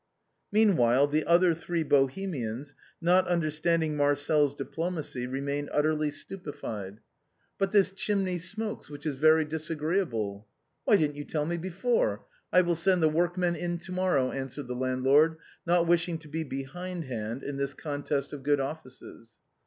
Meanwhile, the other three Bohemians, not understand ing Marcel's diplomacy, remained utterly stupefied. musette's fancies. 367 *TBut this chimney smokes, which is very disagreeable." " Why didn't you tell me before ? I will send the work men in to morrow," answered the landlord, not wishing to be behind hand in this contest of good offices.